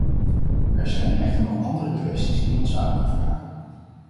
Er zijn echter nog andere kwesties die onze aandacht vragen.